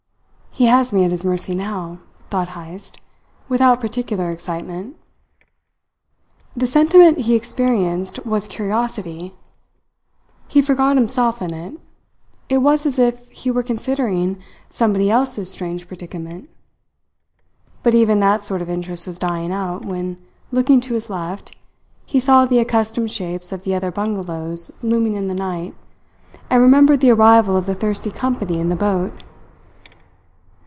"He has me at his mercy now," thought Heyst, without particular excitement. The sentiment he experienced was curiosity. He forgot himself in it: it was as if he were considering somebody else's strange predicament. But even that sort of interest was dying out when, looking to his left, he saw the accustomed shapes of the other bungalows looming in the night, and remembered the arrival of the thirsty company in the boat.